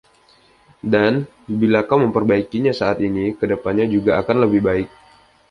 Dan, bila kau memperbaikinya saat ini, ke depannya juga akan lebih baik.